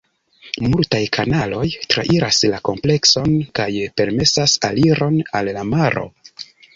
Multaj kanaloj trairas la komplekson kaj permesas aliron al la maro.